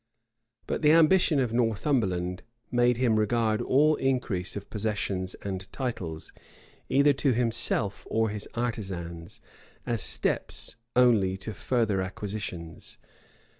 But the ambition of Northumberland made him regard all increase of possessions and titles, either to himself or his artisans, as steps only to further acquisitions.